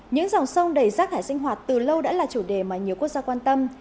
những dòng sông đầy rác thải sinh hoạt từ lâu đã là chủ đề mà nhiều quốc gia quan tâm